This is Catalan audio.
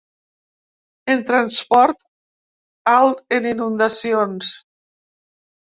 En transport, alt en inundacions.